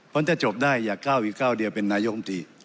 เพราะถ้าจบได้อย่าก้าวอีกก้าวเดียวเป็นนายกรรมตรี